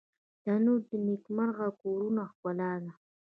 تنور د نیکمرغه کورونو ښکلا ده